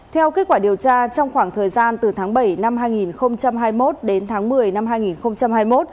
theo kết quả điều tra trong khoảng thời gian từ tháng bảy năm hai nghìn hai mươi một đến tháng một mươi năm hai nghìn hai mươi một